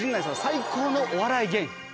最高のお笑い芸人。